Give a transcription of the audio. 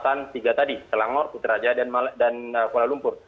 sebenarnya seperti yang sudah tadi telangor putrajaya dan kuala lumpur